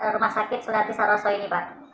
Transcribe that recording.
rumah sakit sulianti saroso ini pak